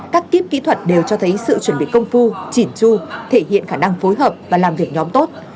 các kíp kỹ thuật đều cho thấy sự chuẩn bị công phu chỉn chu thể hiện khả năng phối hợp và làm việc nhóm tốt